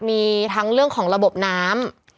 มีทั้งเรื่องของระบบน้ำ